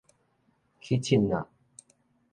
起凊凹